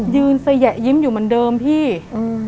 ยืนสยะยิ้มอยู่เหมือนเดิมพี่อืม